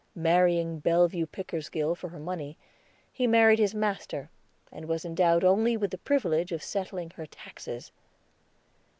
Marrying Bellevue Pickersgill for her money, he married his master, and was endowed only with the privilege of settling her taxes.